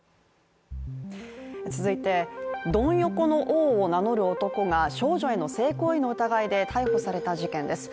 続いて、ドン横の王を名乗る男が少女への性行為の疑いで逮捕された事件です。